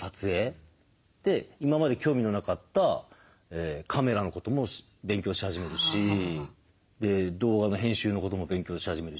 で今まで興味のなかったカメラのことも勉強し始めるし動画の編集のことも勉強し始めるし。